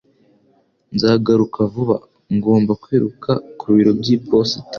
Nzagaruka vuba. Ngomba kwiruka ku biro by'iposita.